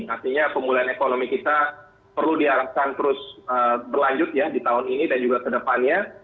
artinya pemulihan ekonomi kita perlu diharapkan terus berlanjut ya di tahun ini dan juga ke depannya